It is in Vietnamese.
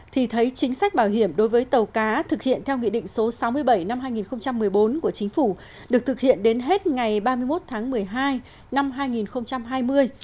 thì thấy chính sách bảo hiểm đối với tàu cá thực hiện theo nghị định số sáu mươi bảy năm hai nghìn một mươi bốn của chính phủ được thực hiện đến hết ngày ba mươi một tháng một mươi hai năm hai nghìn hai mươi